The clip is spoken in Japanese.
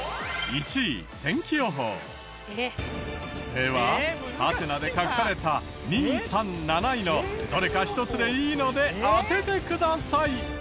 ではハテナで隠された２３７位のどれか一つでいいので当ててください。